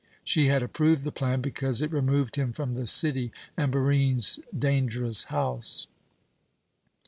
She had approved the plan, because it removed him from the city and Barine's dangerous house.